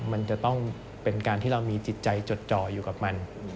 มันจะต้องเป็นการที่เรามีจิตใจจดจ่ออยู่กับมัน